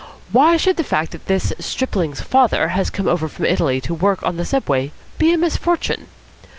Why should the fact that this stripling's father has come over from Italy to work on the Subway be a misfortune?"